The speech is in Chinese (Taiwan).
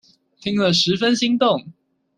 聽了十分心動